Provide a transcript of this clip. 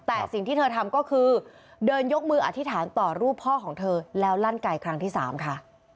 แต่สิ่งที่เธอทำก็คือเดินยกมืออธิษฐานต่อรูปพ่อของเธอแล้วลั่นไก่ครั้งที่๓ค่ะ